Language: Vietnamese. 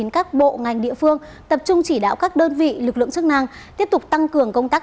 các bộ ngành địa phương tập trung chỉ đạo các đơn vị lực lượng chức năng tiếp tục tăng cường công tác